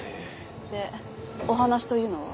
でお話というのは？